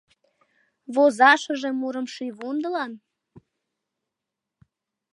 Возашыже мурым шийвундылан?